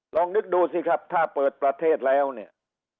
ลองนึกดูสิครับถ้าเปิดประเทศแล้วเนี่ย